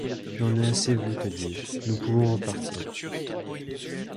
J’en ai assez vu, te dis-je ; nous pouvons repartir.